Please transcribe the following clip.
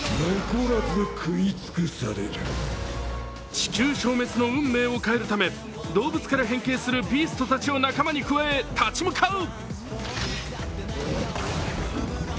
地球消滅の運命を変えるため、動物から変形するビーストたちを仲間に加え立ち向かう。